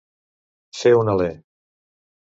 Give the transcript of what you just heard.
Fer un alè.